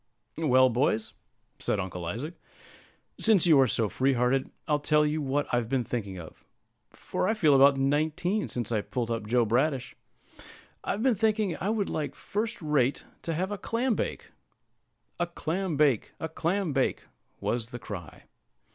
"Well, boys," said Uncle Isaac, "since you are so free hearted, I'll tell you what I've been thinking of, for I feel about nineteen, since I pulled up Joe Bradish. I've been thinking I should like first rate to have a clam bake." "A clam bake! a clam bake!" was the cry.